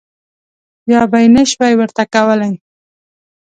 یا به یې نه شوای ورته کولای.